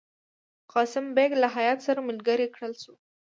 قاسم بیګ له هیات سره ملګری کړل شو.